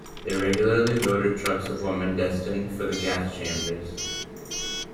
They regularly loaded trucks of women destined for the gas chambers.